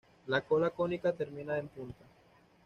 La cola cónica termina en punta.